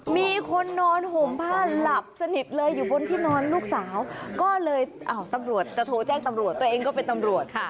มีคนนอนห่มผ้าหลับสนิทเลยอยู่บนที่นอนลูกสาวก็เลยอ้าวตำรวจจะโทรแจ้งตำรวจตัวเองก็เป็นตำรวจค่ะ